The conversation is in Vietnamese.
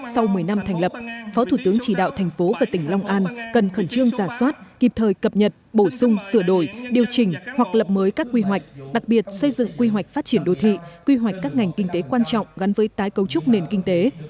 sau một mươi năm thành lập phó thủ tướng chỉ đạo thành phố và tỉnh long an cần khẩn trương giả soát kịp thời cập nhật bổ sung sửa đổi điều chỉnh hoặc lập mới các quy hoạch đặc biệt xây dựng quy hoạch phát triển đô thị quy hoạch các ngành kinh tế quan trọng gắn với tái cấu trúc nền kinh tế